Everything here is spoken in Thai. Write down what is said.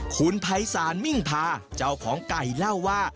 คุณภัยศาลมิ่งพาเจ้าของไก่เล่าว่า